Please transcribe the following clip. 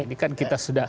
ini kan kita sudah